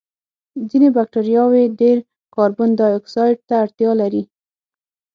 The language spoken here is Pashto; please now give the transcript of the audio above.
ځینې بکټریاوې ډېر کاربن دای اکسایډ ته اړتیا لري.